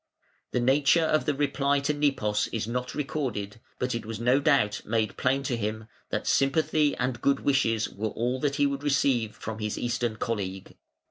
The nature of the reply to Nepos is not recorded, but it was no doubt made plain to him that sympathy and good wishes were all that he would receive from his Eastern colleague.